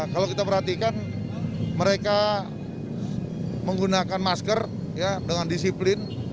kalau kita perhatikan mereka menggunakan masker dengan disiplin